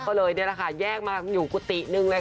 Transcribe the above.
ก็เลยแยกมาอยู่กุฏิหนึ่งเลย